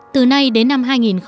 từ nay đến năm